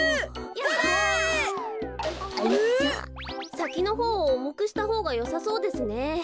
さきのほうをおもくしたほうがよさそうですね。